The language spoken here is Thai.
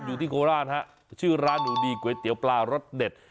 อยู่ที่โคราชนะครับชื่อร้านอุดีก๋วยเตี๋ยวปลารสเด็ด